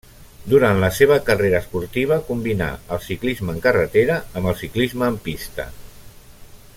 Durant la seva carrera esportiva combinà el ciclisme en carretera amb el ciclisme en pista.